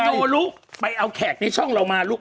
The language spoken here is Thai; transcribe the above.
โนลูกไปเอาแขกในช่องเรามาลูก